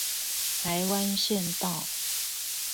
台灣縣道